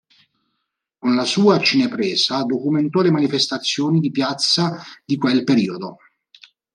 Con la sua cinepresa, documentò le manifestazioni di piazza di quel periodo.